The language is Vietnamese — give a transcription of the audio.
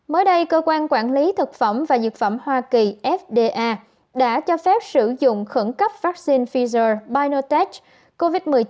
mới đây cơ quan quản lý thực phẩm và dược phẩm hoa kỳ đã cho phép sử dụng khẩn cấp vaccine pfizer biontech covid một mươi chín